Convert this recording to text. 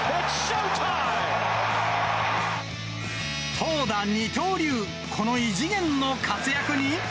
投打二刀流、この異次元の活躍に。